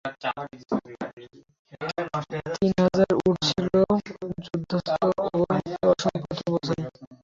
তিন হাজার উট ছিল যুদ্ধাস্ত্র ও রসদপত্রে বোঝাই।